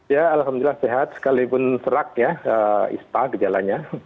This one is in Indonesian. ya alhamdulillah sehat sekalipun serak ya ispa gejalanya